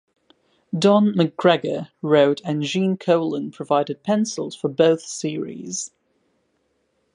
Don McGregor wrote and Gene Colan provided pencils for both series.